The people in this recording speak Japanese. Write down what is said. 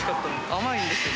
甘いんですよ。